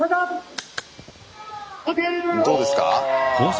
どうですか？